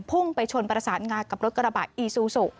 พุ่งไปชนประสานงากับรถกระบะอีซูซู